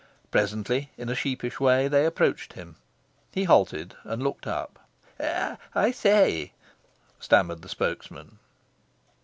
Presently, in a sheepish way, they approached him. He halted and looked up. "I say," stammered the spokesman.